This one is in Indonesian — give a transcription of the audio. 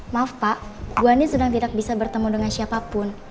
maaf pak bu ani sedang tidak bisa bertemu dengan siapapun